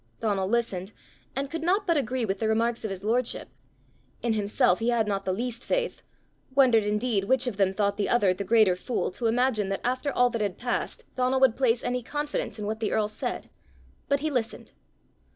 Donal listened, and could not but agree with the remarks of his lordship. In himself he had not the least faith wondered indeed which of them thought the other the greater fool to imagine that after all that had passed Donal would place any confidence in what the earl said; but he listened.